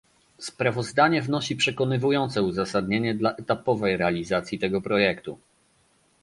Sprawozdanie wnosi przekonywujące uzasadnienie dla etapowej realizacji tego projektu